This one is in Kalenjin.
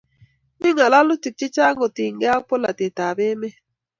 Mi ng'alalutik chechang' kotinykey ak polatet ap emet